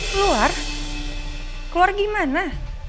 keluar keluar gimana